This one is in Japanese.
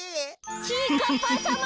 ちぃかっぱさま！